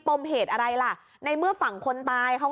พ่อบอกว่าจริงแล้วก็เป็นยาดกันด้วย